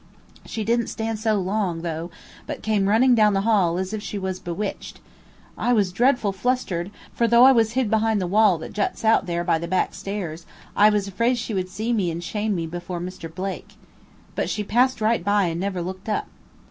She did'nt stand so long, though, but came running down the hall, as if she was bewitched. I was dreadful flustered, for though I was hid behind the wall that juts out there by the back stairs, I was afraid she would see me and shame me before Mr. Blake. But she passed right by and never looked up.